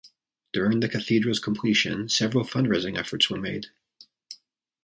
During the cathedral's completion several fundraising efforts were made.